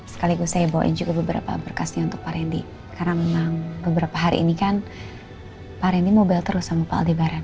sekaligus saya bawain juga beberapa berkasnya untuk pak rendy karena memang beberapa hari ini kan pak rendy mobil terus sama pak aldi baren